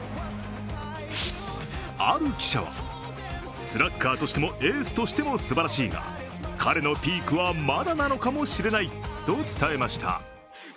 ある記者は、スラッガーとしてもエースとしてもすばらしいが彼のピークはまだなのかもしれないと伝えました。